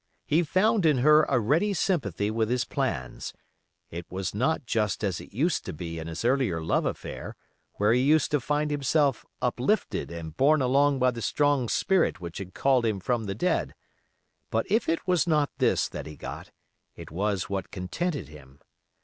He found in her a ready sympathy with his plans. It was not just as it used to be in his earlier love affair, where he used to find himself uplifted and borne along by the strong spirit which had called him from the dead; but if it was not this that he got, it was what contented him.